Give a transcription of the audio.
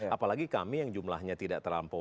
apalagi kami yang jumlahnya tidak terlampau